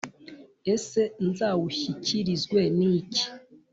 ese nzawushyikirizwe n’iki,